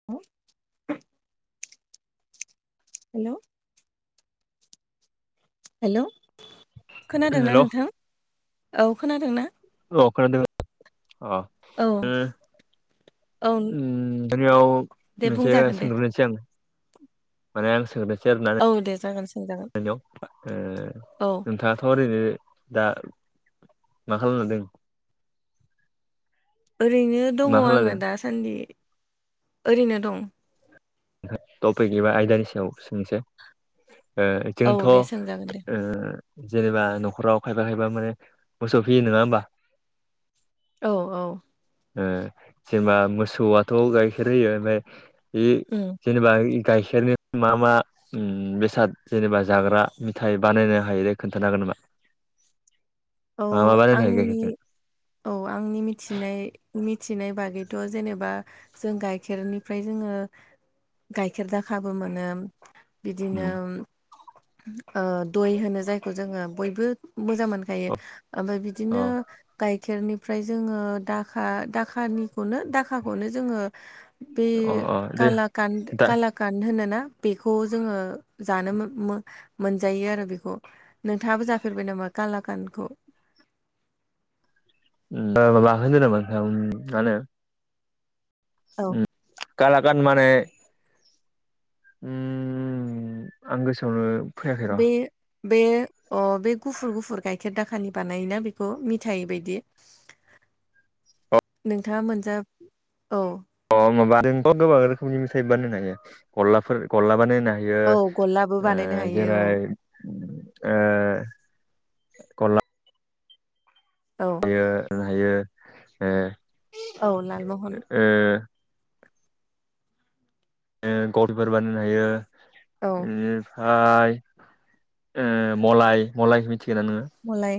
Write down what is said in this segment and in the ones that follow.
[inaudible] हेल' hello खोनादोंना hello औ नोंथां औ खोनादोंना औ‌ खोनादों अ औ ओ औ उम नोंथांनियाव दे मोनसे बुंजागोन दे सोंग्रोसै आं माने आं सोंग्रोनोसै आरो ना नों औ दे जागोन सोंजागोन हेल' ओ औ नोंथाङाथ' ओरैनो दा मा खालामनादों ओरैनो दङ मा आङो खालामदों दासान्दि ओरैनो दं टपिक आयदानि सोंसै ओ औ जोंथ' ओ दे सोंजागोन दे जेनेबा न'खराव खायफा खायफा माने मोसौ फियो नङा होमबा औ औ ओ जेनेबा मोसौआथ' गाइखेर होयो ओमफ्राय बे उम जेनेबा [unintelligible] गाइखेरनि मा मा उम बेसाद जेनेबा जाग्रा मेथाइ बानायनो हायो खोन्थानो हागोन नामा औ मा मा बानायनो हायो आंनि गाइखेरजों औ आंनि मिथिनाय मिथिनाय बागैथ' जेनेबा जों गाइखेरनिफ्राय जोङो गाइखेर दाखाबो मोनो बिदिनो ओ दय होनो जायखौ जोङो बयबो मोजां अ मोनखायो ओमफ्राय अ बिदिनो गाइखेरनिफ्राय जोङो दाखा दाखानिखौनो दाखाखौनो जोङो बे अ अ दे कालाकान दा काला गान होनोना बेखौ जोङो जानो मोनजायो आरो बेखौ नोंथाङाबो जाफेरबाय नामा कालाकानखौ ओ माबा होनो नामा नोंथां मा होनो औ कालागान माने ओ आं गोसोआवनो फैयाखै र' बे बे अ बे गुफुर गुफुर गाइखेर दाखानि बानायोना बेखौ मिथाय बायदि नोंथाङा मोनजा औ अ माबा जोंथ गोबां रोखोमनि मेथाइ बानो होनो हायो गलाफोर गला बानो होनो हायो औ गल्लाबो बियो बानायनो हायो जेरै औ गला औ [unintelligible] औ लालमहन ओ [unintelligible] बानायनो हायो औ बिनि हाय मलाय मलायखौ मिथिगौ ना नोङो मलाय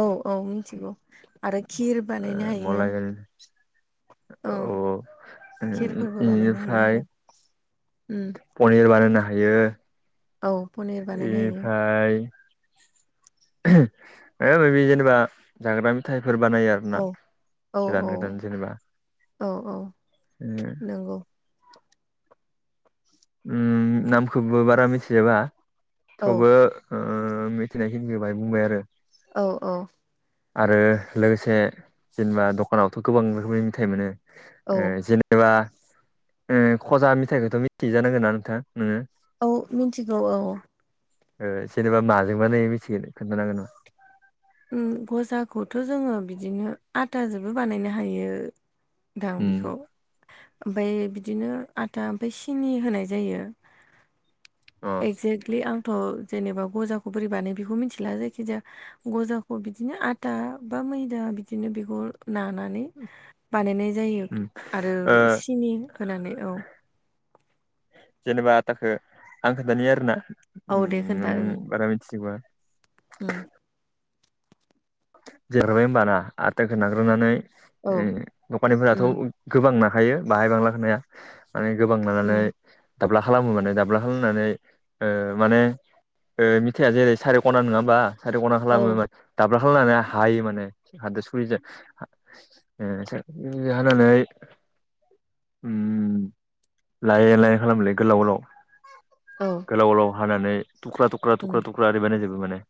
औ औ मिथिगौ आरो खिर बानायनो हायो मलाय ओ औ खिरफोरबो बानायनो हायो आरो बेनिफ्राय ओम पनिर बानायनो हायो औ फनिर इनिफ्राय इ माबि जेनेबा जाग्रा मेथाइफोर बानायो आरो ना औ औ गोदान गोदान जेनेबा औ औ ओ नोंगौ नामखौबो बारा मिथिजोबा औ थेवबो मिथिनायखिनिखौ बाङाइ बुंबाय आरो औ औ आरो लोगोसे जेनेबा दखानावथ' गोबां रोखोमनि मेथाइ मोनो औ जेनेबा खजा मेथाइखौथ' मि थियो जानांगो ना नोंथां नोङो औ मिन्थिगौ औ जेनेबा माजों बानायो मिथिगोन खोन्थानो हागोन नामा खजाखौथ' जोङो बिदिनो आटाजोंबो बानायनो हायो नोंथां उम बेखौ ओमफ्राय बिदिनो आटा ओमफ्राय सिनि होनाय जायो अ एक्जेक्टलि आंथ' जेनेबा गजाखौ बोरै बानायो बेखौ मिथिला जायखिजाया गजाखौ बिदिनो आथा बा मैदा बिदिनो बेखौ नानानै बानायनाय जायो उम आरो ओ सिनि होनानै औ जेनेबा आटाखो आं खोन्थानि आरोना औ बारा मिथिजोबा ओ जिरायबाय होनोमबा ना आटखौ नाग्रोनानै औ दखानिफोराथ' उम गोबां नाखायो बाङाइ बांलाखौ नाया माने गोबां नानानै उम दाब्ला खालामो माने दाब्ला खालामनानै माने मिथाइया जेरै सारे खना नङा होमबा सारे खना औ खालामो मा [unintelligible] हायो माने हादोर सुरिजों ओ हानानै ओ लायै लायै खालामोलै गोलाव गोलाव औ। गोलाव गोलाव हानानै थुख्रा थुख्रा थुख्रा थुख्रा ओरै बानायनायजोबो माने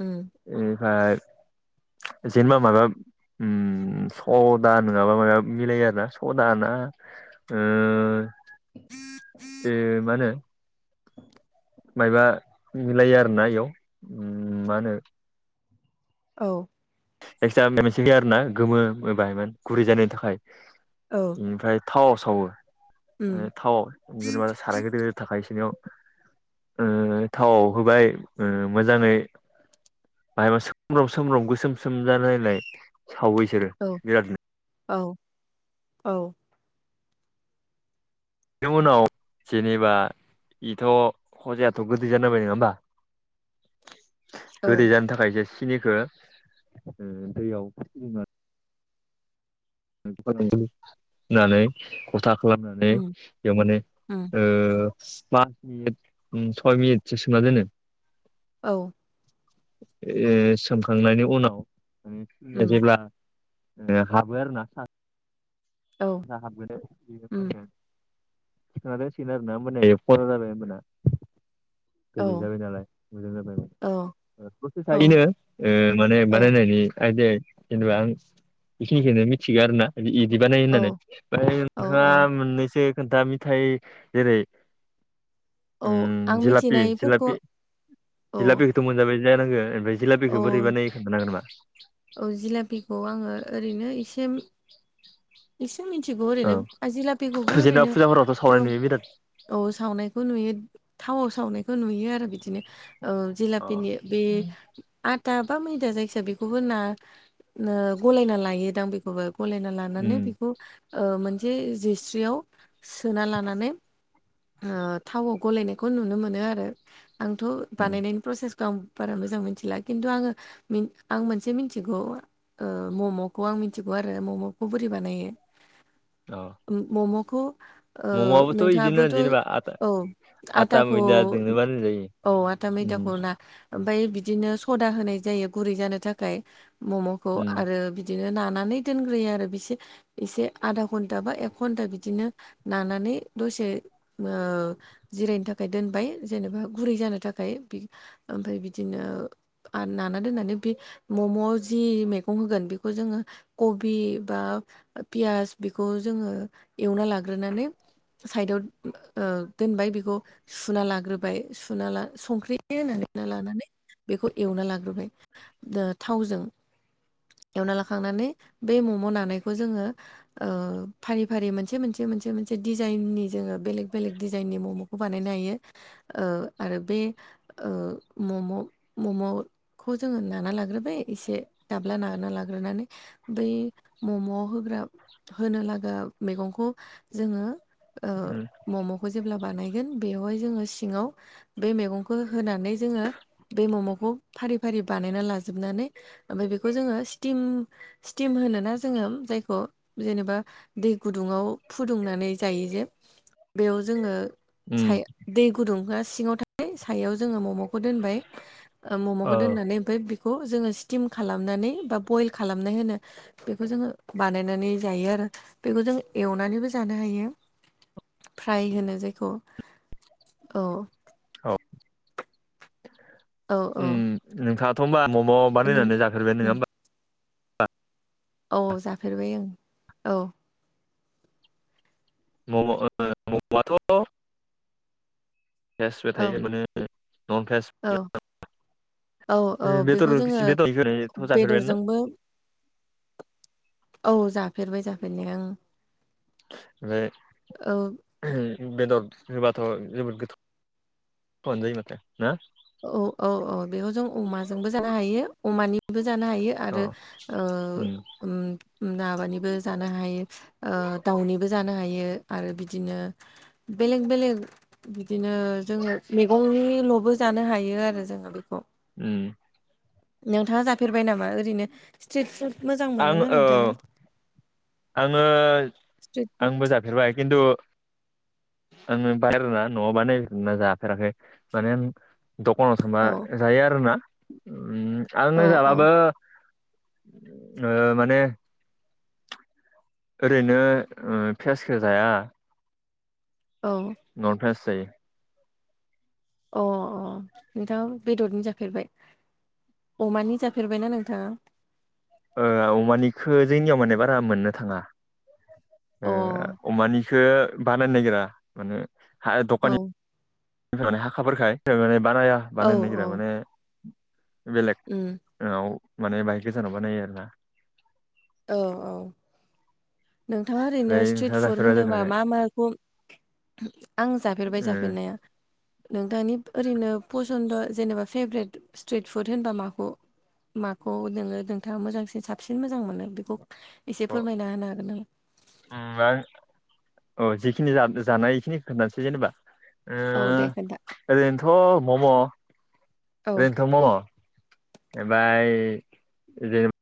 म ओमफाय जनेमा माबा ओम सदा नङाबा माबा मिलायो आरोना सदाना ओ ए मा होनो आ मायबा मिलायो आरोना इयाव मा होनो औ। एक्सट्रा मोनसे गैया आरोना गोमो बायमोन गुरै जानायनि थाखाय औ ओमफ्राय। थावाव सावो मा उम थाव जेनेबा साराय गोदिर थाखायसनियाव थावाव होबाय मोजाङै। बाहाय मा सोमब्राव सोमब्राव गोसोम ससोम जालायलाय सावैसोरो। औ औ औ। बेनि उनाव जेनेबा बेथ' हजायाथ' गोदै जानोांबाय नङा होमबा? [inaudible] गोदै औ जानो थाखायसो सिनिखौ दैयाव [unintelligible] होननानै अल्था खालामनानै उम बेयाव माने उम पास मिनिट सय मिनिटसो सोमना दोननानै। औ। ओ सोमखांनायनि उनाव उम जेब्ला ए हाबो आरोना औ हाबगोनो बे उम मा? सिन आरो ना माने एफना जाबाय होनोमबाना? औ गोदै जाबाय नालाय मोजां जाबाय। औ प्रसेस औ इनो माने औ बानायनायनि आयदि जेनेबा आं बेखिनिखौनो मिथिगौ आरोना बिदि बानायो होननानै। फ्राय औ नोंथाङा औ मोननैसो खोन्था मेथाइया जेरै औ उम आं जलापि मिथिनायफोरखौ जलापि औ जलापि मोनजाबाय जानांगो ओमफ्राय जिला बेखौ औ बोरैबा ना खोन्थानो हांगोन नामा? औ जिलापिखौ आङो ओरैनो एसे एसे मिथिगौ औ ओरैनो आजिला बेगबो जेनेबा ओरैनो फुजाफोरावथ' थ' सावनाय नुयो बिराद औ सावनायखौ नुयो थावाव सावनायखौ नुयो आरो बिदिनो ओ अ जिलापिनि बे आथा बा मैदा जायखिजाया बेखौ बेखौबो ना गलायना लायो दां बेखौबो गलायना लानानै उम बेखौ मोनसे जिस्रियाव सोना लानानै। थावाव गलायनायखौ नुनो मोनो आरो आंथ' उम बानायनायनि प्रसेसखौ। आं बारा मोजां मिथिला खिन्थु आङो आं मोनसे मिथिगौ। मम'खौ आं मिथिगौ आरो मम'खौ बोरै बानायो। औ। मम'खौ ओ इदिनो नोंथाङाबोथ' जेनेबा आटा औ आटा आटाखौ मैदाजोंनो बानाय जायो। औ आथा उम मैदाखौ ना? ओमफफ्राय बिदिनो सदा होनाय जायो गुरै जानो थाखाय मम'खौ उम आरो बि बिदिनो नानानै दोनग्रोयो आरो बिसोर एसे आधा घन्टा बा एक घन्टा बिदिनो नानानै दसे ओ जिरायनो थाखाय दोनबाय जेनेबा गुरै जानो थाखाय ओमफाय बिदिनो नाना दोननानै बे मम'आव जि मैगं होगोन बेखौ जोङो। कबि बा पियास बेखौ जोङो एवना लाग्रोनानै साइदआव ओ दोनबाय बेखौ सुना लाग्रोबाय सुना ला संख्रि होननानै लानानै बेखौ एवना लाग्रोबाय ओ थावजों। एवना लाखांनानै बे मम' नानायखौ जोङो ओ फारि फारि मोनसे मोनसे मोनसे मोनसे डिजाइननि जोङो बेलेग बेलेग डिजाइननि म'म' खौ बानायनो हायो। ओ आरो बे ओ मम' मम'खौ जोङो ना नाना लाग्रोबाय एसे दाब्ला नाना लाग्रोनानैै मम'आव होग्रा होनो लागा मैगंखौ जोङो ओ उम मम'खौ जेब्ला बानायगोन बेवहाय जोङो सिङाव बे मैगंखौ होनानै जोङो बे मम'खौ फारि फारि बानायना ला जोबनानै ओ ओमफ्राय बेखौ जोङो स्टिम स्टिम होन ना जोङो जायखौ जेनेबा दै गुदुङाव फुदुंनानै जायो जे बेयाव जोङो उम सा दै गुदुंखौ सिङाव थाबाय सायाव जोङो मम'खौ दोनबाय। ओ ममखौ दोननानै ओमफ्राय बेखौ जोङो स्टिम खालामनानै बा बयल खालामनाय होनो। बेखौ जोङो बानायनानै जायो आरो बेखौ जों एवनानैबो जानो हायो। फ्राय होनो जायखौ औ औ औ औ उम नोंथाङाथ' होनबा मम' नों बानायनानै जाफेरबाय नङा उम होमबा? औ जाफेरबाय ओं औ मम' ओ [unintelligible] भेजबो औ थायो माने नन भेज औ औ औ बेदर बेखौ जोङो बेदर होनायथ' जाफेरबायानो ना? बेदरजोंबो औ जाफेरबाय जाफेरनाया ओं बे औ बेदर होबाथ' जोबोद गोथाव आनो जायो माथो ना? औ औ औ बेयाव जों अमाजोंबो जानो हायो अमानिबो जानो हायो। अ आरो ओ उम माबानिबो जानो हायो। ओ दाउनिबो जानो हायो आरो बिदिनो बेलेग बेलेग बिदिनो जोङो मैगंनिल'बो जानो हायो आरो जोङो बेखौ उम। नोंथाङा जाफेरबाय नामा ओरैनो? स्ट्रिट फुड मोजां आं मोनोना औ नोंथाङा आङो स्ट्रिट फुड आंबो जाफेरबाय खिनथु आङो [unintelligible] न'आव बानायना जाफेराखै माने दखानाव थांबा औ जायो आरो ना। औ आङो औ जाबाबो ओ माने ओरैनो [unintelligible] जाया औ न'आव जायो अ अ नोंथाङा बेदरनि जाफेरबाय। अमानि जाफेरबायना नोंथाङा? ओ अमानिखौ जोंनियाव माने बारा मोननो थाङा अ औ ओ अमानि ओ बानायनो नायगिरा माने हा दखा फ्राय माने हाखाफोरखाय माने बानाया औ बानायनो नागिरा माने बेलेग उम औ माने बाहाय गोजानाव बा नायो आरो ना। औ औ नोंथाङा ओरैनो ओमफ्राय स्ट्रिट नोंथाङा फुड जाफेरबाय होन्दोंबा जाफेराखै मा माखौ आं जाफेरबाय ओ जाफेरनाया नोंथांनि ओरैनो पसन्द' जेनेबा फेभ्रेट स्ट्रिट फुड होनबा माखौ माखौ नोङो नोंथाङा मोजांसिन साबसिन मोजां मोनो बेखौ एसे अ उम फोरमायना होनो हा‌ आं अ जिखिनि जानाय इखिनिखो खोनथानोसै जेनेबा ओ औ दे खोन्था ओरैनोथ' मम' औ ओरैनो मम ओमफ्राय जेनेबा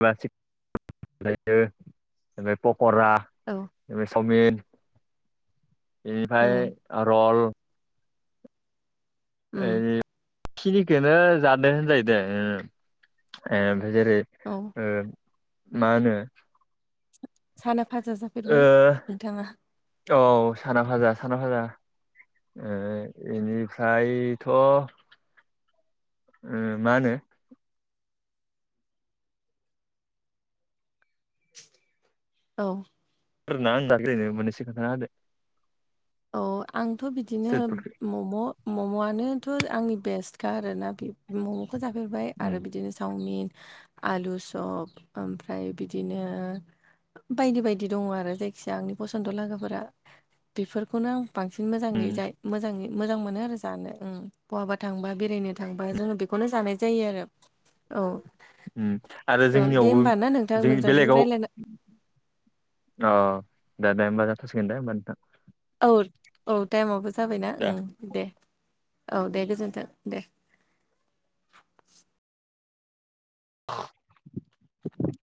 [unintelligible] ओफ्राय पकरा औ चावमिन उम बेनिफ्राय रल उम ओखिनिखौनो जादों होनजायो दे ओमफ्राय जेरै औ मा होनो साना भाजा जाब औ साना भाजा साना भाजा ओ इनिफ्रायथ' मा होनो औ फोरना आंदा गेलायनो मोनसे खोनथा होदो औ आंथ' बिदिनो स्ट्रिट फुडखौ मम' मम'आनोथ' आंनि बेस्टखा आरोना बे मम'खौ जाफेरबाय आरो बिदिनो चावमिन आलु सप ओमफ्राय बिदिनो बायदि बायदि दङ आरो जायखिजाया आंनि फसथ' लागाफोरा बेफोर बेखौनो आं बांसिन मोजाङै जायो मोजाङै मोजां मोनो आरो जानो बहाबा थांबा बेरायनो थांबा जोङो बेखौनो जानाय जायो आरो [unintelligible] आरो औ दे जोंनियावबो होमबा ना नोंथां जोंनि नोंथांजों बेलेगाव रायलायना अ दे दे होमबा जाथसिगोन दे होमबा नोंथां औ औ टाइमावबो जाबायना दे दे औ दे गोजोन्थों दे [unintelligible]